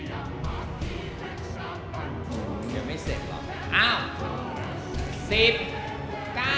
เดี๋ยวไม่เสร็จหรอกเอ้า